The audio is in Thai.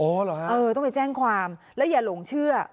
โอ้หรือครับครับต้องไปแจ้งความแล้วอย่าหลงเชื่อ